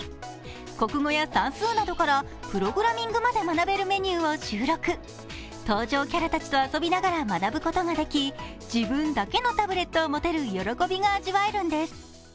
国語や算数などからプログラミングまで学べるメニューを収録登場キャラたちと遊びながら学ぶことができ、自分だけのタブレットを持てる喜びが味わえるんです。